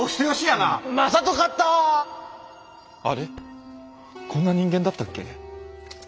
こんな人間だったっけ？